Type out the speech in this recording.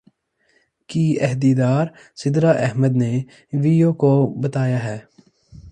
کی عہدیدار سدرا احمد نے وی او کو بتایا ہے